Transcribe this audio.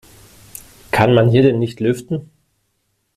Kann man hier denn nicht lüften?